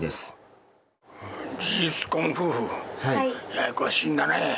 ややこしいんだね。